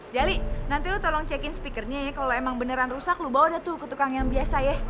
jali nanti lo tolong check in speakernya ya kalau emang beneran rusak lu bawa deh tuh ke tukang yang biasa ya